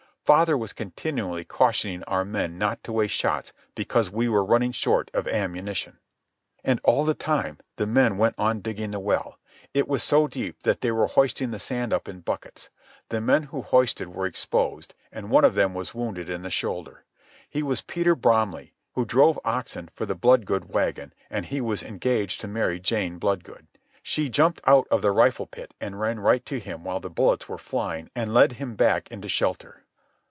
Father was continually cautioning our men not to waste shots because we were running short of ammunition. And all the time the men went on digging the well. It was so deep that they were hoisting the sand up in buckets. The men who hoisted were exposed, and one of them was wounded in the shoulder. He was Peter Bromley, who drove oxen for the Bloodgood wagon, and he was engaged to marry Jane Bloodgood. She jumped out of the rifle pit and ran right to him while the bullets were flying and led him back into shelter.